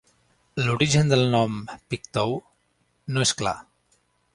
L'origen del nom "Pictou" no és clar.